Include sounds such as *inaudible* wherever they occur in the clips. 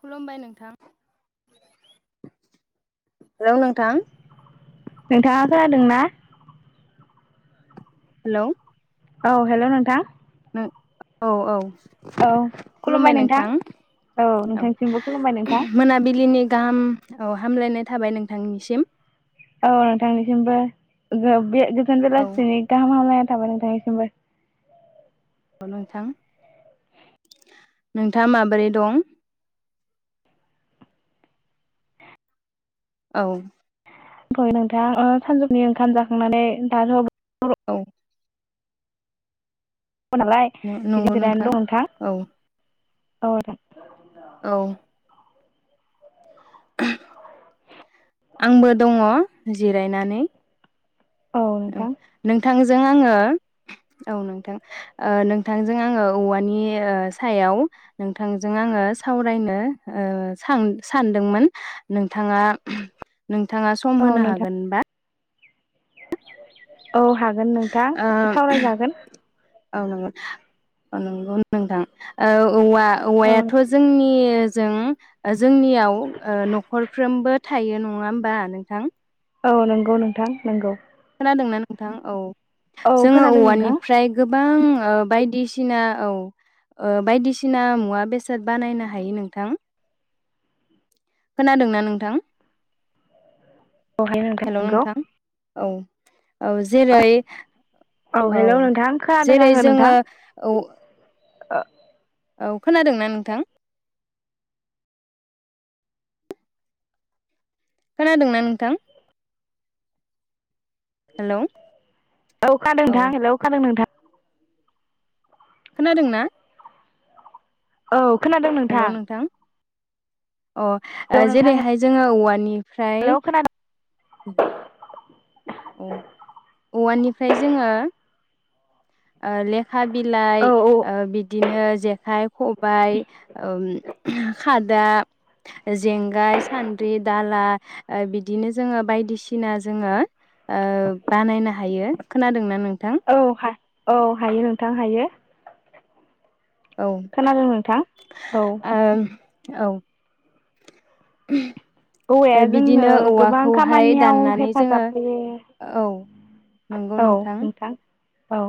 खुलुमबाय नोंथां। हेलौ नोंथां नोंथाङा खोनादोंना? हेलौ औ हेल' नोंथां। ओं औ औ। औ खुलुमबाय नोंथां औ नोंथांसिमबो खुलुमबाय नोंथां मोनाबिलिनि गाहाम औ हामलायनाय थाबाय नोंथांनिसिम। औ नोंथांनिसिमबो जो बे गोज जोन औ बेलासिनि गाहाम हामलाय थाबाय नोंथां बो औ नोंथां। नोंथाङा माबोरै दं? औ। फै नोंथां ओ सानजौनि ओंखाम जाखांनानै दाथ' औ। नालाय बिदि जिरायना दं नोंथां। औ औ दे औ। *inaudible* आंबो दङ जिरायनानै औ नों नोंथांजों आङो औ नोंथां ओ नोंथांजों आङो औवानि ओ सायाव नोंथांजों आङो सावरायनो ओ सां सानदोंमोन नोंथाङा। नोंथाङा सम औ होनो नोंथां हागोनबा। औ हागोन नोंथां ओ सावरायजागोन। औ नंगौ औ नंगौ नोंथां औ। औवा औ औवायाथ' जोंनि जों। जोंनियाव न'खरफ्रोमबो। थायो नङा होमबा नोंथां। औ नंगौ नोंथां नंगौ। जादोंना नोंथां औ। औ जोङो खोनादों नोंथां औवानिफ्राय गोब गोबां बायदिसिना औ ओ बायदिसिना मुवा बेसाद बानायनो हायो नोंथां। खोनादोंना नोंथां। हेल' *unintelligible* नोंथां औ नंगौ। औ जेरै औ हेल' नोंथां खोनादों जेरै आङो जोङो नोंथां औ। *unintelligible* औ खोनादोंना नोंथां। खोनादोंना नोंथां। हेल' औ खादों नोंथां हेलौ खादों नोंथां। खोनादोंना। औ। खोनादों नोंथां। हेलौ अ नोंथां जेरै हाय जोङो औवानिफ्राय। हेलौ खोनादों औ औवानिफ्राय जोङो। ओ लेफ खा बिलाइ औ औ ओ बिदिनो जेखाइ खबायाइ औनम *unintelligible* खादा जेंगाय सान्द्रि दाला ओ बिदिनो जोङो बायदिसिना जोङो ओ बानायनो हायो खोनादोंना नों। औ हा औ हायो नोंथां हायो । औ खोनादों नोंथां औ। ओम औ। *unintelligible* औवाया जोंनो बिदिनो गोबां औवाखौहाय खामानियाव दाननानै जोङो हेफाजाब होयो औ औ नोंथां। औ।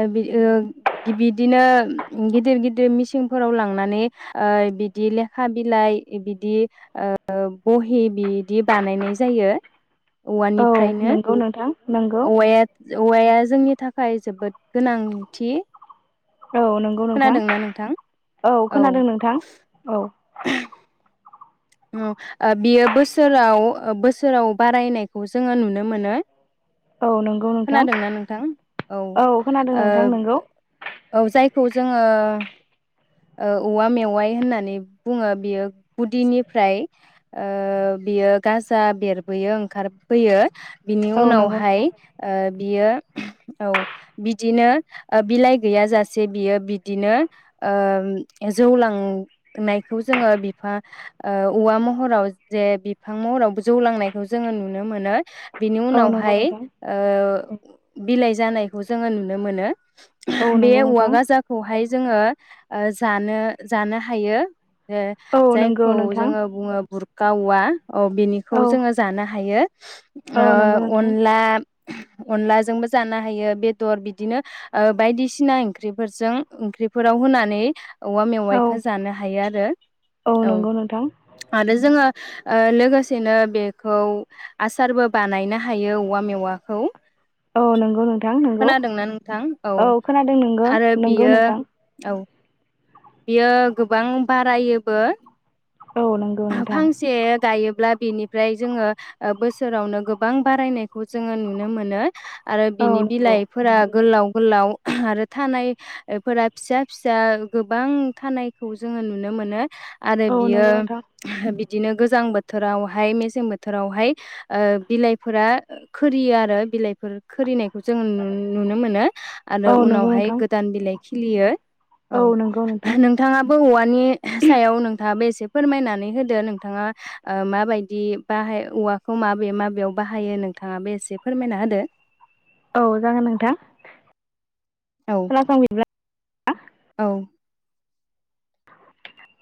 ओबिद‌ ओ बिदिनो गिदिर गिदिर मिसिंफोराव लांनानै ओ बिदि लेखा बिलाइ बिदि ओ बहि बिदि बानायनाय जायो । औ औवानिफ्रायनो। नंगौ नोंथां नंगौ औवायाद औवाया जोंनि थाख थाखाय जोबोद गोनांथि औ नंगौ नोंथां खोनादोंना नोंथां औ खोनादों नोंथां औ उम ओ बियो बोसोराव ओ बोसोराव बारायनायखौ जोङो नुनो मोनो । औ नंगौ नोंथां औ ओ औ खोनादों नोंथां नंगौ औ जायखौ जोङो ओ औवा मेवाय होननानै बुङो बियो गुदिनिफ ओमफ्राय ओ बियो गाजा बेरबोयो ओंखारबोयो। बिनि औ नंगौ नोंथां उनावहाय ओ बियो औ बिदिनो ओ बिलाइ गैयाजासे बियो बिदिनो ओ जौलांनायखौ जोङो बिफा ओ औवा महराव जे बिफां महरावबो जौलांनायखौ जोङो नुनो मोनो। बिनि औ नंगौ उनावहाय नोंथां ओ बिलाइ जानायखौ जोङो नुनो मोनो। औ बे नंगौ औवा नोंथां गाजाखौहाय जोङो ओ जानो जानो हायो। ओं औ जाय नंगौ खौ नोंथां जोङो बुङो बुर गावा औ बिनिखौ औ जोङो जानो हायो। औ आ नंगौ नोंथां अनला अनलाजोंबो जानो हायो बेदर बिदिनो ओ बायदिसिना ओंख्रिफोरजों ओंख्रिफोराव होनानै औवा औ मेवाइखौ जानो हायो आरो। आरो *unintelligible* औ नंगौ नोंथां आरो जोङो ओ लोगोसेनो बेखौ आसारबो बानायनो हायो औवा मेवाखौ। औ नंगौ नोंथां नंगौ खोनादोंना नोंथां औ खोनादों नोंगौ आरो नंगौ बियो नोंथां। औ बियो गोबां बारायोबो। औ नंगौ नोंथां फा-फांसे गायो ब्ला बिनिफ्राय जोङो ओ बोसोरावनो गोबां बारायनायखौ जोङो नुनो मोनो। आरो औ बिनि नंगौ बिलाइफोरा नंगौ गोलाव गोलाव आरो थानाय फोरा फिसा फिसा गोबां थानायखौ जोङो नुनो मोनो। आरो औ बियो नंगौ नोंथां बिदिनो गोजां बोथोरावहाय मेसें बोथोरावहाय ओ बिलाइफोरा खोरियो आरो बिलाइफोर खोरिनाय जों नु नुनो मोनो औ आरो नंगौ उनावहाय नोंथां गोदान बिलाइ खिलियो। औ नंगौ नोंथां नोंथाङाबो औवानि सायाव नोंथाङाबो एसे फोरमायनानै होदो नोंथाङा ओ माबायदि बाहाय औवाखौ माबे माबेयाव बाहायो नोंथाङा बे एसे फोरमायना होदो? औ जागोन नोंथां। औ खोनासं बिदिब्ला औ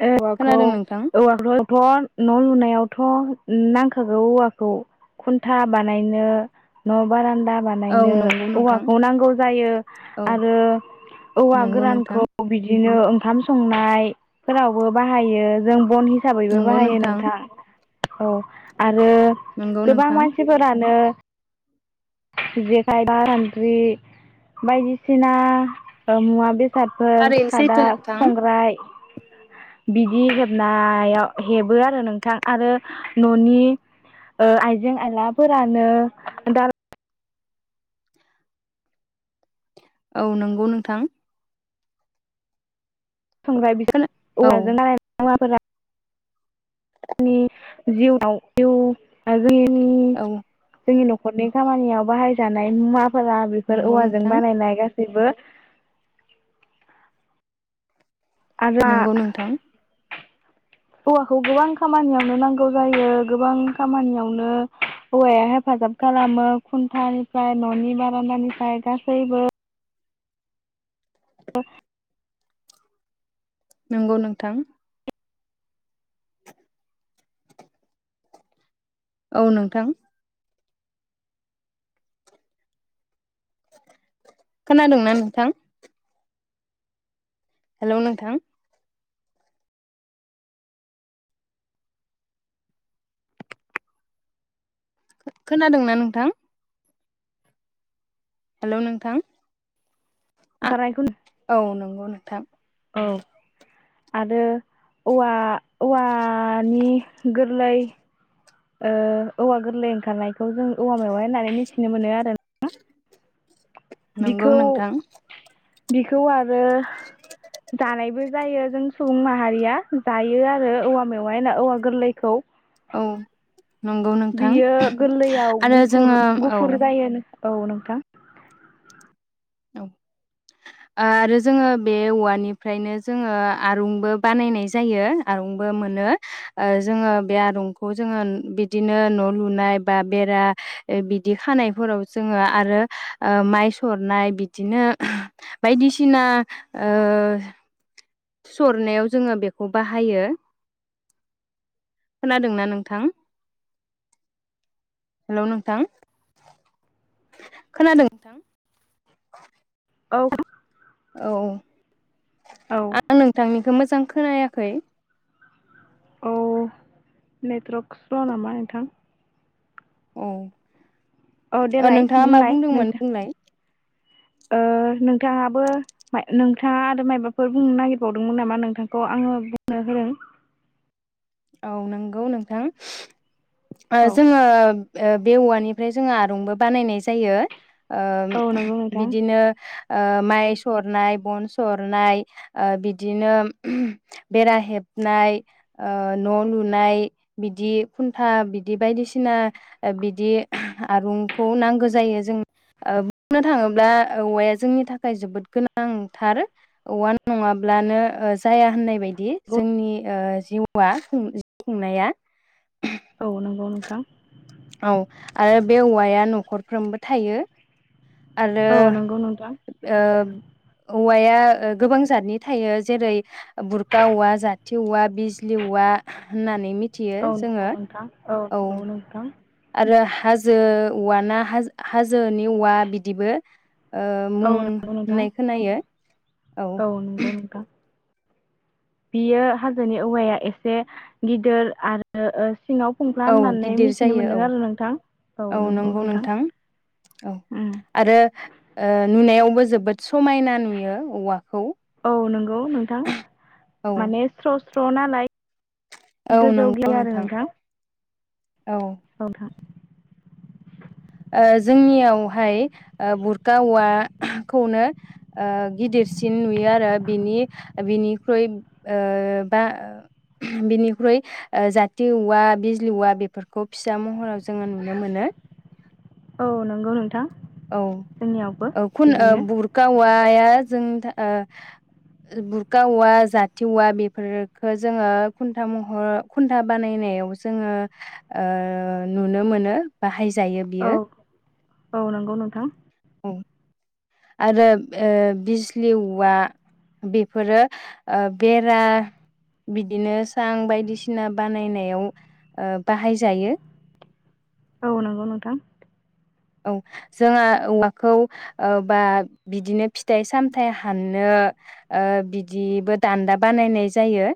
औवाखौ खोनादों नोंथां औवाखौ थ न' लुनायावथ' नांखागौ औवाखौ खुन्था बानायनो न बारा दा औ बानायनो नंगौ नोंथां औवाखौ नांगौ जायो औ आरो औवा नंगौ नोंथां गोरानखौ बिदिनो ओंखाम संनाय फोरावबो बाहायो जों बन हिसाबैबो बाहायो नोंथां औ आ रो नंगौ गोबां नोंथां मानसिफोरानो जेखाइ बा सान्द्रि बायदिसिना मुवा बेसे फसादफोर थारैनो सैथो खादाब नोंथां संग्राय बिदि हेबनायाव हेबो आरो नोंथां आरो ननि आइजें आइलाफोरानो दा औ नंगौ नोंथां संग्राय बिज खोना औ औवाजों बानायनाय मुवाफोरा जोंनि जिउआव जिउ जोंनि औ जोंनि न खरनि खामानियाव बाहायजानाय मुवा फोरा बेफोर नंगौ औवाजों नोंथां बानायनाय गा सिबो नंगौ नोंथां औवाखौ गोबां खामानियावनो नांगौ जायो गोबां खामानियावनो औवाया हेफाजाब खालामो खुन्थानिफ्राय ननि बारान्दानिफ्राय गासैबो दं नंगौ नोंथां *unintelligible* औ नोंथां खोनादोंंना नोंथां हेल नोंथां खो खोनादोंना नोंथां हेल नोंथां आ ओंखारनायखौ औ नंगौनो थां औ आरो औवा औवानि गोरलै औवा गोरलै ओंखारनायखौ जों औवा मेवाय - होननानै मिथिनो मोनो आरो नंगौ नोंथां बेखौ आर ओ दानायबो जायो जों सुबुं माहारिया जायो आरो औवा मेवाइ ओ औवा गोरलैखौ औ नंगौ नोंथां बियो गोरलैयाव आरो गुफुर जोङो औ गुफुर जायो नो औ नोंथां औ आरो जोङो बे औवानिफ्रायनो जोङो आरुंबो बानायनाय जायो आरंबो मोनो ओ जोङो बे आरंखौ जोङो बिदिनो न' लुनाय बा बेरा बिदि खानायफोराव जोङो आरो माइ सरनाय बिदिनो बायदिसिना ओ सरनायाव जोङो बेखौ बाहायो खोनादोंना नोंथां हेल' नोंथां खोनादों नोंथां *inaudible* औ औ औ आं नोंथांनिखौ मोजां जां खोनायाखै औ नेटवर्क स्ल नामा नोंथां औ औ ओ देलाय नोंथाङा मा बुंलाय बुंदोंमोन नोंथां बुंलाय? ओ नोंथाङाबो नोंथाङा आरो मायाबाफोर बुंनो नागिरबावदोंमोन नामा नोंथांखौ आङो बुंनो होदों औ नंगौ नोंथां ओ औ जोङो ओ बे औवानिफ्राय जोङो आरंबो बानायनाय जायो ओ औ नंगौ नोंथां बिदिनो ओ माइ सरनाय बन सरनाय ओ बिदिनो बेरा हेबनाय ओ ओ न' लुनाय बिदि खुन्था बिदि बायदिसिना बिदि आरुंखौ नांगौ जायो जों बुंनो थाङोब्ला औवाया जोंनि थाखाय जोबोद गोनांथार औवा नङाब्लानो ओ जाया होननाय बायदि जोंनि ओ जिउ *unintelligible* खुंनाया औ नंगौ नोंथां औ आरो बे औवाया न'खरफ्रोमबो थायो आरो औ नंगौ नोंथां ओ औवाया ओ गोबां जाथनि थायो जेरै बुरखा औवा, जाथि औवा, बिजलि औवा होननानै मि औ नांगौ नोंथां औ नंगौ नोंथां। आरो हाजो औवाना हाजो हाजोनि औवा बिदिबो। ओ औ मुं नंगौ नोंथां होननाय खोनायो औ। नंगौ नोंथां बियो हाजोनि औवाया एसे गिदिर आरो ओ सिङाव फंफ्ला औ होननानै गिदिर मिथिनो जायो औ मोनदों आरो नोंथां औ नंगौ नोंथां औ उम आरो ओ नुनायाव बो जोबोद समायना नुयो औवाखौ औ नंगौ नोंथां औ माने स्र' स्र नालाय औ गोजौ नंगौ गियो आरो नोंथां। औ *unintelligible* *inaudible* ओ जोंनियावहाय ओ बुरखा औवाखौनो ओ गिदिरसिन नुयो आरो बिनि बिनिख्रुइ ओ बा बिनिख्रुइ ओ जाथि औवा बिजलि औवा बेफोरखौ फिसा महराव जोङो नुनो मोनो। औ नंगौ नोंथां। औ जोंनियावबो औ खुन ओ बिदिनो बुरखा उवाया जों ओ बुरखा औवा जाथि औवा बेफोरफोरखौ जोङो खुन्था महर खुन्था बानायनायाव जोङो ओ नुनो मोनो बाहाय औ औ नंगौ नों थां औ आरो ओ बिजलि औवा बेफोरो ओ बेरा बिदिनो सां बायदिसिना बानायनायाव ओ बाहायजायो। औ नंगौ नोंथां। औ जोङो औवाखौ बा बिदिनो फिथाइ सामथाइ हाननो ओ बिदिबो दान्दा बानायनाय जायो।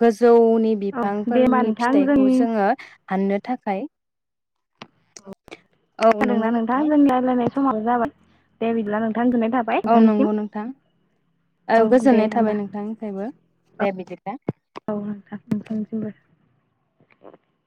गो जौनि औ दे होमबा बिफांफोरनि नोंथां जोंनि फिथाइखौ जोङो हाननो थाखाय औ खोनादोंना नंगौ नोंथां जोंनि रायज्लायनाय समाबो जाबाय। दे *unintelligible* थाबाय औ नोंथांनिसिम नंगौ नोंथां औ दे गोजोननाय होमबा थाबाय नोंथांनिफ्रायबो। औ दे बिदिब्ला औ नोंथां नोंथांनिसिमबो